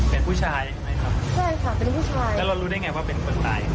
เป็นผู้ชายใช่ไหมครับใช่ค่ะเป็นผู้ชายแล้วเรารู้ได้ไงว่าเป็นคนตาย